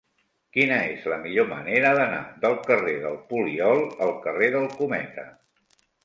Quina és la millor manera d'anar del carrer del Poliol al carrer del Cometa?